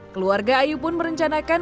keluarga ayu pun merencanakan